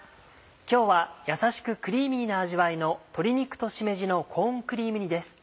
今日はやさしくクリーミーな味わいの「鶏肉としめじのコーンクリーム煮」です。